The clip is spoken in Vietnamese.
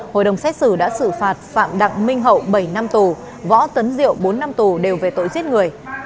hội đồng xét xử đã xử phạt phạm đặng minh hậu bảy năm tù võ tấn diệu bốn năm tù đều về tội giết người